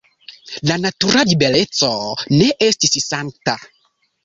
La natura libereco ne estis sankta.